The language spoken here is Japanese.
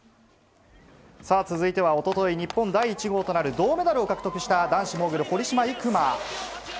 さあ、続いてはおととい、日本第１号となる銅メダルを獲得した、男子モーグル、堀島行真。